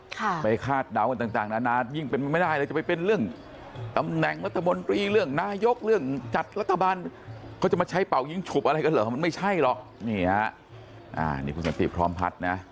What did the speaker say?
ค่ะไปคาดเดากันต่างต่างนานายิ่งเป็นไม่ได้เลยจะไปเป็นเรื่องตำแหน่งรัฐมนตรีเรื่องนายกเรื่องจัดรัฐบาลเขาจะมาใช้เป่ายิงฉุบอะไรกันเหรอมันไม่ใช่หรอกนี่ฮะอ่านี่คุณสันติพร้อมพัฒน์นะ